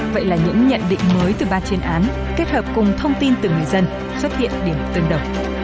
vậy là những nhận định mới từ ba chuyên án kết hợp cùng thông tin từ người dân xuất hiện điểm tương đồng